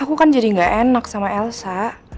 aku kan jadi gak enak sama elsa